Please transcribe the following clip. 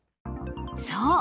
そう。